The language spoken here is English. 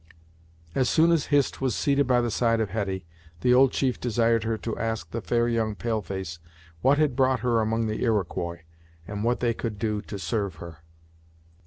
As soon as Hist was seated by the side of Hetty, the old chief desired her to ask "the fair young pale face" what had brought her among the Iroquois, and what they could do to serve her.